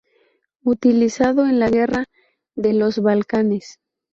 Utilizado en la Guerra de los Balcanes.